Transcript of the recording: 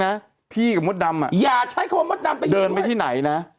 อย่าใช้ความหมดดำอยู่ด้วยเดินไปที่ไหนนะ